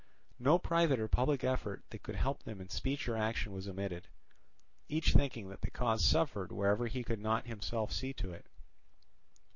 No private or public effort that could help them in speech or action was omitted; each thinking that the cause suffered wherever he could not himself see to it.